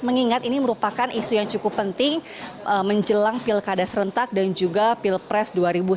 mengingat ini merupakan isu yang cukup penting menjelang pilkada serentak dan juga pilpres dua ribu sembilan belas